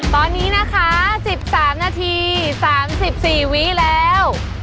ตอนนี้นะคะสิบสามนาทีสามสิบสี่วินิติแล้ว